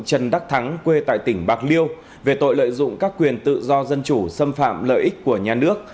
trần đắc thắng quê tại tỉnh bạc liêu về tội lợi dụng các quyền tự do dân chủ xâm phạm lợi ích của nhà nước